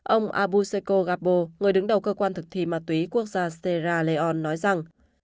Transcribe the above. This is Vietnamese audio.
ông abuseko gabo người đứng đầu cơ quan thực thi mặt túy quốc gia sierra leone nói rằng